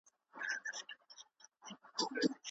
یارانو رخصتېږمه، خُمار درڅخه ځمه